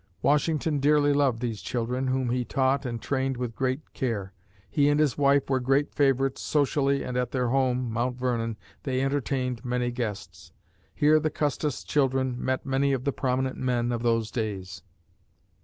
Washington dearly loved these children, whom he taught and trained with great care. He and his wife were great favorites socially and at their home (Mount Vernon) they entertained many guests. Here the Custis children met many of the prominent men of those days.